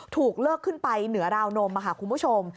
ถูกเลิกขึ้นไปเหนือราวนมค่ะคุณผู้ชม